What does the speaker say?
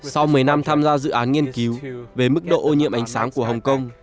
sau mấy năm tham gia dự án nghiên cứu về mức độ ô nhiễm ánh sáng của hồng kông